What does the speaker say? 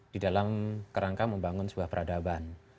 di dalam kerangka membangun sebuah peradaban